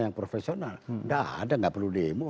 yang profesional sudah ada tidak perlu demo